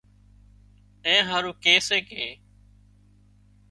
اين هارو ڪي سي ڪي